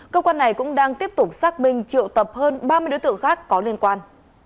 cơ quan này cũng đang tiếp tục xác minh triệu tập hơn ba mươi đối tượng khác có liên quan